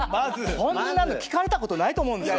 こんなの聞かれたことないと思うんですよ。